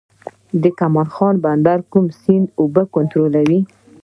د کمال خان بند د کوم سیند اوبه کنټرولوي؟